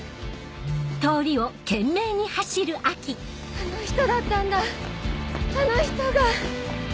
あの人だったんだあの人が！